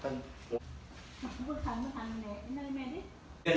ตอนนี้ก็ไม่มีเวลาให้กลับไปแต่ตอนนี้ก็ไม่มีเวลาให้กลับไป